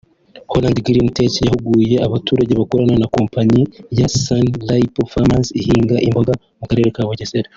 Holland Green Tech yahuguye abaturage bakorana na kompanyi ya Sunripe Farmers ihinga imboga mu Karere ka Bugesera